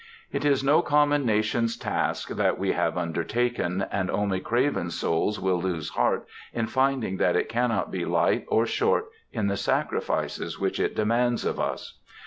It is no common nation's task that we have undertaken, and only craven souls will lose heart in finding that it cannot be light or short in the sacrifices which it demands of us.